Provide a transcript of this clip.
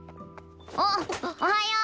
あっおはよう！